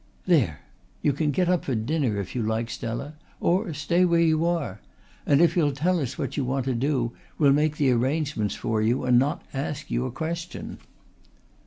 "There! You can get up for dinner if you like, Stella, or stay where you are. And if you'll tell us what you want to do we'll make the arrangements for you and not ask you a question."